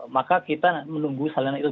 maka kita menunggu salinan itu